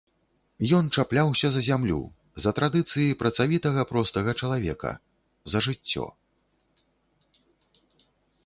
Ён чапляўся за зямлю, за традыцыі працавітага простага чалавека, за жыццё.